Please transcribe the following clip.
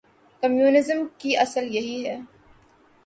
Communism کی اصل یہی ہے۔